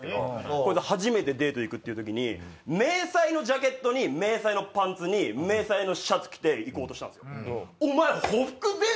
コイツ初めてデート行くっていう時に迷彩のジャケットに迷彩のパンツに迷彩のシャツ着て行こうとしたんすよお前。